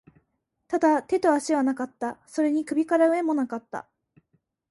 ただ、手と足はなかった。それに首から上も無かった。